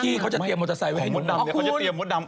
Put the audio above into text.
ทุกที่เขาจะเตรียมมอเตอร์ไซค์ไว้ให้อยู่